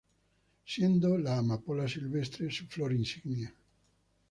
Siendo la "Amapola silvestre" su flor insignia.